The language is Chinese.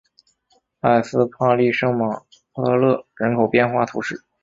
埃斯帕利圣马塞勒人口变化图示